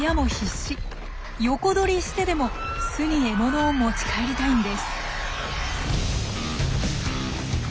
横取りしてでも巣に獲物を持ち帰りたいんです。